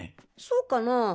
そうかな？